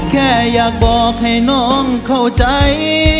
แค่อยากบอกให้น้องเข้าใจ